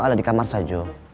ala di kamar saja